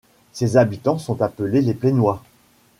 Ses habitants sont appelés les Plaignois.